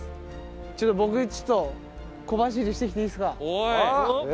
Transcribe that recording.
ちょっと僕ちょっと小走りしてきていいですか？